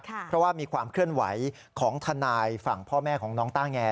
เพราะว่ามีความเคลื่อนไหวของทนายฝั่งพ่อแม่ของน้องต้าแง